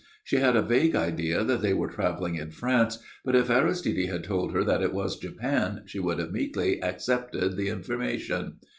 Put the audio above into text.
She had a vague idea that they were travelling in France; but if Aristide had told her that it was Japan she would have meekly accepted the information.